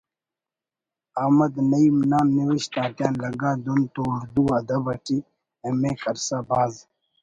احمد نعیم نا نوشت آتیان لگا دن تو اردو ادب اٹی ایم اے کرسا بھاز